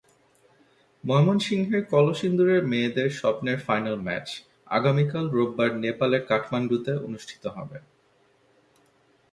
ময়মনসিংহের কলসিন্দুরের মেয়েদের স্বপ্নের ফাইনাল ম্যাচ আগামীকাল রোববার নেপালের কাঠমান্ডুতে অনুষ্ঠিত হবে।